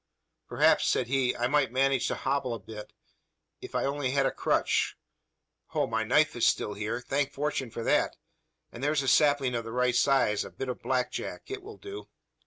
"Perhaps," said he, "I might manage to hobble a bit, if I only had a crutch? Ho! my knife is still here. Thank fortune for that! And there's a sapling of the right size a bit of blackjack. It will do."